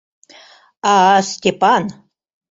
А-а, Степан?!